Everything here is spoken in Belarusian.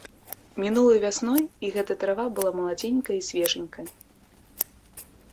Мінулай вясной і гэта трава была маладзенькая і свежанькая.